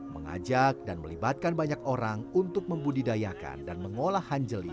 mengajak dan melibatkan banyak orang untuk membudidayakan dan mengolah hanjeli